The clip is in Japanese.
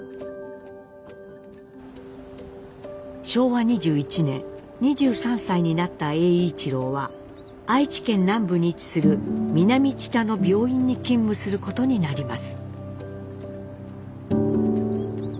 昭和２１年２３歳になった栄一郎は愛知県南部に位置する南知多の病院に勤務することになります。